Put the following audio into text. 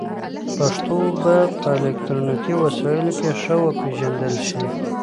پښتو به په الکترونیکي وسایلو کې ښه وپېژندل شي.